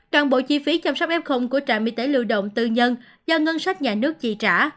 toàn bộ chi phí chăm sóc f của trạm y tế lưu động tư nhân do ngân sách nhà nước chi trả